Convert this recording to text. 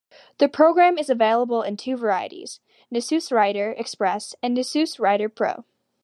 The program is available in two varieties: Nisus Writer Express, and Nisus Writer Pro.